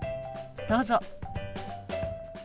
どうぞ。